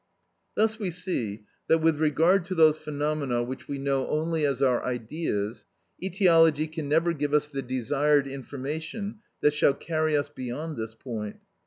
Thus we see that, with regard to those phenomena which we know only as our ideas, etiology can never give us the desired information that shall carry us beyond this point.